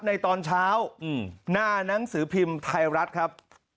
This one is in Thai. ในตอนเช้าหน้านังสือพิมพ์ไทยรัฐครับ